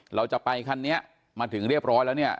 เราจะไปคันนี้มาถึงเรียบร้อยแล้วเนี่ย